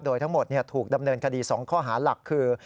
โดยทั้งหมดถูกดำเนินคดี๒ข้อหาหลักคือ